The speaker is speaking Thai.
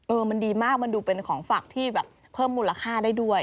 มันดีมากมันดูเป็นของฝากที่แบบเพิ่มมูลค่าได้ด้วย